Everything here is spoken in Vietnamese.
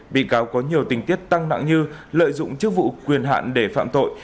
bị cáo có nhiều tình tiết tăng nặng như lợi dụng chức vụ quyền hạn để phạm tội